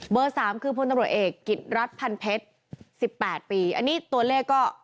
สามคือพลตำรวจเอกกิจรัฐพันเพชร๑๘ปีอันนี้ตัวเลขก็